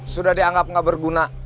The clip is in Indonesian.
sudah dianggap enggak berguna